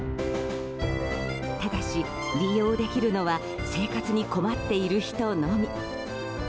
ただし、利用できるのは生活に困っている人のみ。